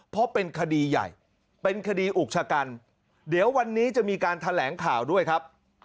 เพราะเป็นคดีใหญ่เป็นคดีอุกชะกันเดี๋ยววันนี้จะมีการแถลงข่าวด้วยครับ